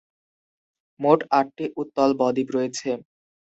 মোট আটটি উত্তল বদ্বীপ রয়েছে।